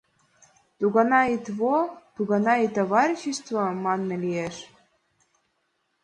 — «Туганай и Тво?» «Туганай и товарищество» манме лиеш.